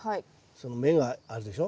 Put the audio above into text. その芽があるでしょ。